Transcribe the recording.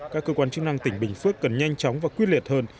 các cơ quan chức năng tỉnh bình phước cần nhanh chóng và quyết liệt hơn